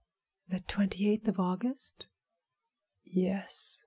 "The twenty eighth of August?" "Yes.